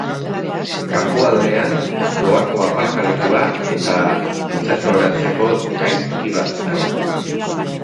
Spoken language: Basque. Kanpoaldean doako aparkalekua eta itsasoratzeko kai txiki bat dago.